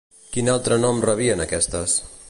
Quin altre nom rebien aquestes?